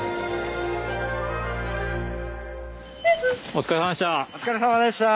お疲れさまでした。